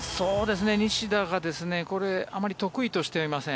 西田がこれはあまり得意としていません。